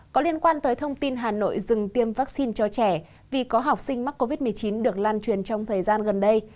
có liên quan tới thông tin hà nội dừng tiêm vaccine cho trẻ vì có học sinh mắc covid một mươi chín được lan truyền trong thời gian gần đây